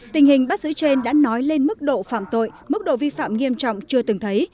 tình hình bắt giữ trên đã nói lên mức độ phạm tội mức độ vi phạm nghiêm trọng chưa từng thấy